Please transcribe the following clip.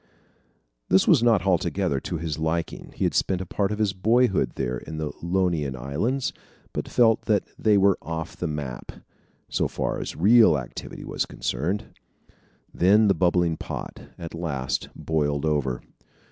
This was not altogether to his liking. He had spent a part of his boyhood there in the Ionian Islands, but felt that they were "off the map" so far as real activity was concerned. Then the bubbling pot at last boiled over.